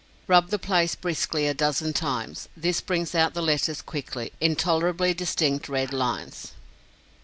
Rub the place briskly a dozen times; this brings out the letters quickly, in tolerably distinct red lines.